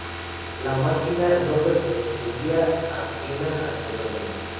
La Máquina no permanecería ajena al fenómeno.